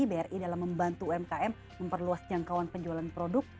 bri dalam membantu umkm memperluas jangkauan penjualan produk